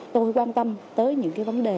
tôi quan tâm tới những vấn đề